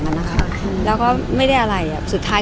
ภาษาสนิทยาลัยสุดท้าย